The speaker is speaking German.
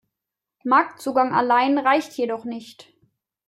Marktzugang allein reicht jedoch nicht.